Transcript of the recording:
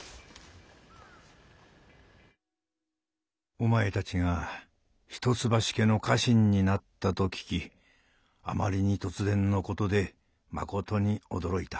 「お前たちが一橋家の家臣になったと聞きあまりに突然のことでまことに驚いた。